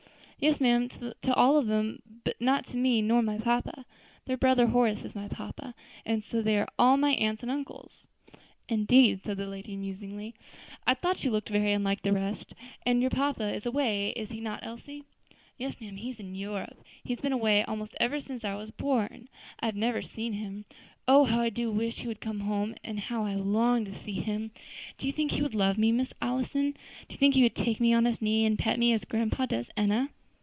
"Yes, ma'am, to all of them, but not to me nor my papa. Their brother Horace is my papa, and so they are all my aunts and uncles." "Indeed," said the lady, musingly; "I thought you looked very unlike the rest. And your papa is away, is he not, Elsie?" "Yes, ma'am; he is in Europe. He has been away almost ever since I was born, and I have never seen him. Oh! how I do wish he would come home! how I long to see him! Do you think he would love me, Miss Allison? Do you think he would take me on his knee and pet me, as grandpa does Enna?"